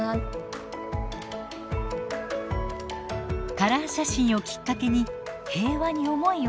カラー写真をきっかけに平和に思いをはせてほしい。